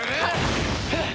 ハッ！